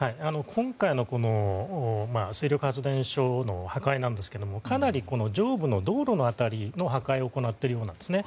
今回のこの水力発電所の破壊なんですがかなり上部の道路の辺りの破壊を行っているようなんですね。